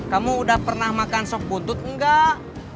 kamu udah pernah makan sok buntut enggak